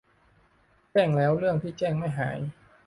แจ้งแล้วเรื่องที่แจ้งไม่หาย